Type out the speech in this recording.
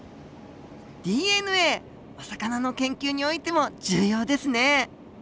お魚の研究においても重要ですね。